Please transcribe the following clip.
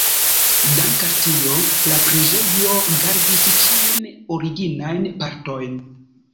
Dank' al tio la preĝejo gardis ĉiujn originajn partojn.